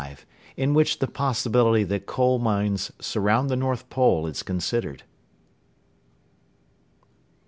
IN WHICH THE POSSIBILITY THAT COAL MINES SURROUND THE NORTH POLE IS CONSIDERED.